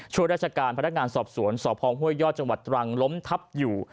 ชัวร์ราชการพนักงานสอบสวนสฮห้วยยจรังล้มทับอยู่